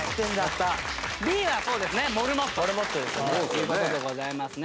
Ｂはそうですねモルモットという事でございますね。